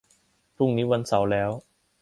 พรุ่งนี้วันเสาร์แล้ว